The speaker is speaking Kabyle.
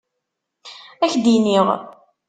Ad k-d-iniɣ.